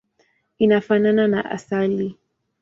Inafanana na asali.